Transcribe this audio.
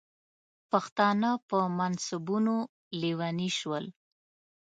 پښتانه په منصبونو لیوني شول.